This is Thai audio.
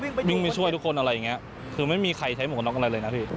ควรหมดเพื่อวิ่งไปช่วยทุกคนคือไม่มีใครใส่หมวกน็อกอะไรเลยพี่